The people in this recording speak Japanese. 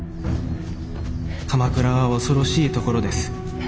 「鎌倉は恐ろしい所です。